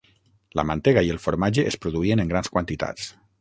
La mantega i el formatge es produïen en grans quantitats.